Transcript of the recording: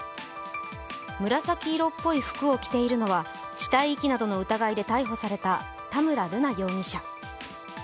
紫色っぽい服を着ているのは死体遺棄などの疑いで逮捕された田村瑠奈容疑者。